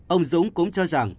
ông dũng cũng cho rằng